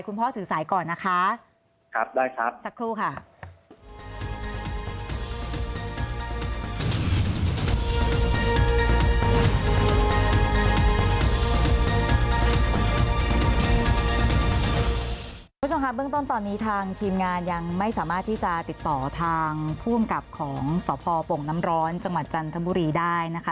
คุณพ่อถือสายก่อนนะคะ